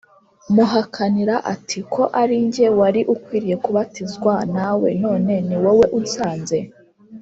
muhakanira ati “Ko ari jye wari ukwiriye kubatizwa nawe, none ni wowe unsanze